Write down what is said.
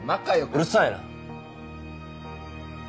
うるさいな。